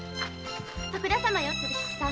徳田様よ鶴吉さん。